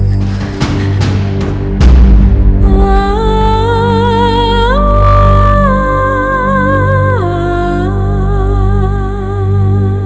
paten paten kukian santang